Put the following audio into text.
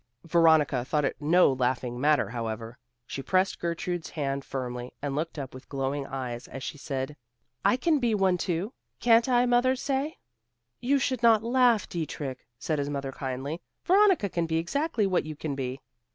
Veronica thought it no laughing matter, however. She pressed Gertrude's hand firmly and looked up with glowing eyes, as she said, "I can be one too, can't I mother; say?" "You should not laugh, Dietrich," said his mother kindly. "Veronica can be exactly what you can be.